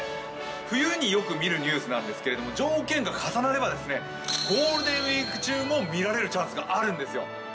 冬によく見るニュースなんですが、条件が重なればゴールデンウイーク中も見られるチャンスがあるんですよ。